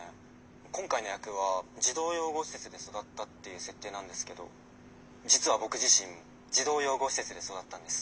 今回の役は児童養護施設で育ったっていう設定なんですけど実は僕自身児童養護施設で育ったんです」。